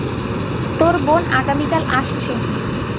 তোর বোন আগামীকাল আসছে।